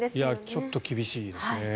ちょっと厳しいですね。